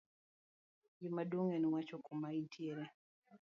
gimaduong' en wacho kuma intiere